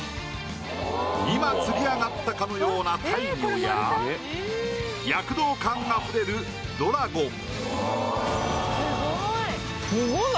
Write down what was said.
今釣り上がったかのような大魚や躍動感あふれるドラゴン。